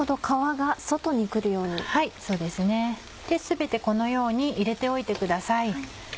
はいそうですね。全てこのように入れておいてください。